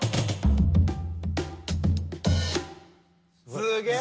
すげえ！